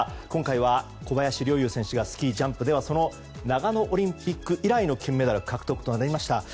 今回は小林陵侑選手がスキージャンプでは長野オリンピック以来の金メダル獲得となりました。